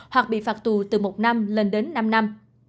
hoặc bị phạt tù từ một năm lên đến năm năm